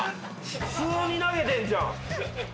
普通に投げてんじゃん。